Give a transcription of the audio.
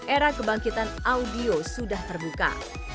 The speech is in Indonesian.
era kebangkitan audio sudah terbuka